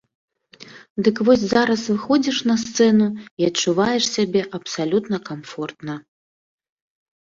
Дык вось зараз выходзіш на сцэну і адчуваеш сябе абсалютна камфортна.